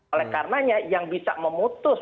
oleh karenanya yang bisa memutus